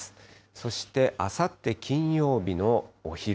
そしてあさって金曜日のお昼。